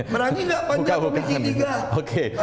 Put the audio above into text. merani nggak panjang komisi tiga